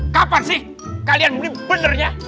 kapan sih kalian beli benernya